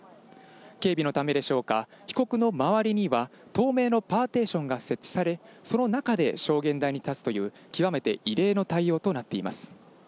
警備のためでしょうか、被告の周りには透明のパーテーションが設置され、その中で証言台に立つという極めて異例の対応となっています。